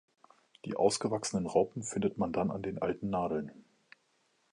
Die ausgewachsenen Raupen findet man dann an den alten Nadeln.